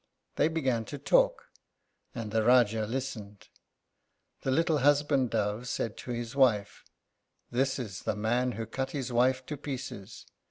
They began to talk, and the Rájá listened. The little husband dove said to his wife, "This is the man who cut his wife to pieces."